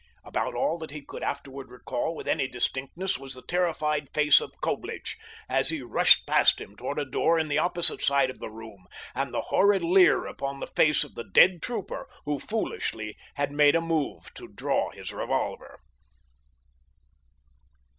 About all that he could afterward recall with any distinctness was the terrified face of Coblich, as he rushed past him toward a door in the opposite side of the room, and the horrid leer upon the face of the dead trooper, who foolishly, had made a move to draw his revolver.